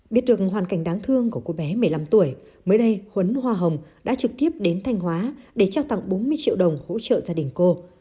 biết được hoàn cảnh đáng thương của cô bé một mươi năm tuổi mới đây huấn hoa hồng đã trực tiếp đến thanh hóa để trao tặng bốn mươi triệu đồng hỗ trợ gia đình cô